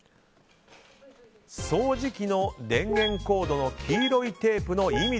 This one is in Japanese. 掃除機の電源コードの黄色のテープの意味